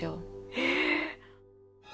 ええ！